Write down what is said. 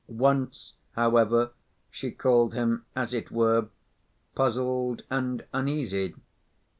Once, however, she called him, as it were, puzzled and uneasy.